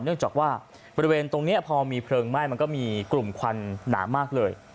เนื่องจากว่าบริเวณตรงนี้พอมีเพลิงไหม้มันก็มีกลุ่มควันหนามากเลย